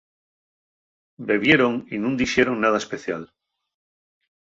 Bebieron y nun dixeron nada especial.